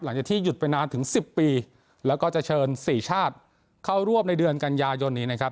หลังจากที่หยุดไปนานถึง๑๐ปีแล้วก็จะเชิญสี่ชาติเข้าร่วมในเดือนกันยายนนี้นะครับ